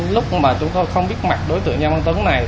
lúc mà chúng tôi không biết mặt đối tượng nha văn tuấn này